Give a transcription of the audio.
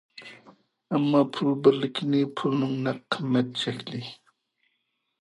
ئەمما پۇل بىرلىكى پۇلنىڭ نەق قىممەت شەكلى.